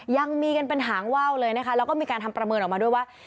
ยังมีกันเป็นหางว่าวเลยนะคะแล้วก็มีการทำประเมินออกมาด้วยว่า